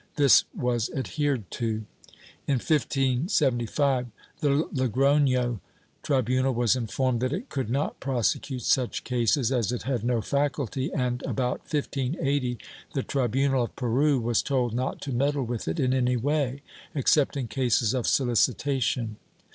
This was adhered to. In 1575, the Logroho tribunal was informed that it could not prosecute such cases as it had no faculty and, about 1580, the tribunal of Peru was told not to meddle with it in any way, except in cases of solicitation.